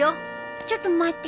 ちょっと待って。